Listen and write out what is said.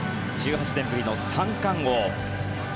１８年ぶりの三冠王。